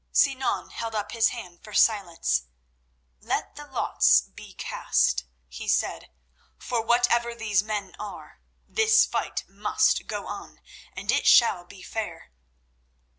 Sinan held up his hand for silence. "Let the lots be cast," he said, "for whatever these men are, this fight must go on, and it shall be fair."